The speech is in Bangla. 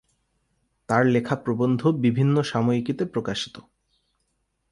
তার লেখা প্রবন্ধ বিভিন্ন সাময়িকীতে প্রকাশিত।